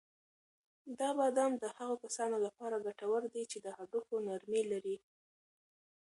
دا بادام د هغو کسانو لپاره ګټور دي چې د هډوکو نرمي لري.